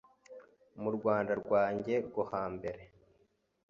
Rwa Rwanda rwanjye rwo hambere